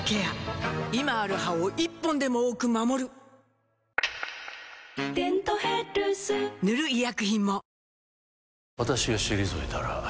今ある歯を１本でも多く守る「デントヘルス」塗る医薬品も